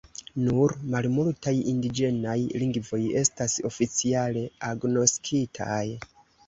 Nur malmultaj indiĝenaj lingvoj estas oficiale agnoskitaj.